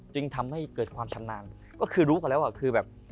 จึงทำให้เกิดความชำนาญก็คือรู้กันแล้วอ่ะคือแบบ